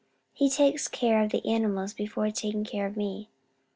He takes care of the animals before taking care of me."